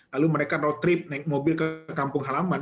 lalu mereka road trip naik mobil ke kampung halaman